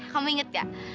kamu inget nggak